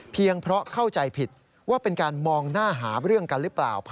เพราะเข้าใจผิดว่าเป็นการมองหน้าหาเรื่องกันหรือเปล่า